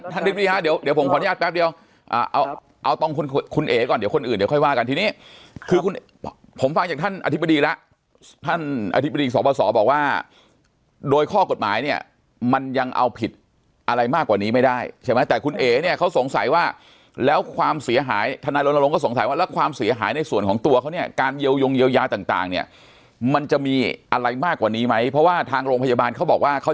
อธิบดีแล้วท่านอธิบดีสอบประสอบบอกว่าโดยข้อกฎหมายเนี้ยมันยังเอาผิดอะไรมากกว่านี้ไม่ได้ใช่ไหมแต่คุณเอกเนี้ยเขาสงสัยว่าแล้วความเสียหายธนาโรนโรงก็สงสัยว่าแล้วความเสียหายในส่วนของตัวเขาเนี้ยการเยียวยงเยียวยาต่างต่างเนี้ยมันจะมีอะไรมากกว่านี้ไหมเพราะว่าทางโรงพยาบาลเขาบอกว่าเขา